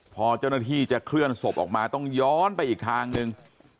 พอเจ้าหน้าที่จะเคลื่อนศพออกมาต้องย้อนไปอีกทางหนึ่ง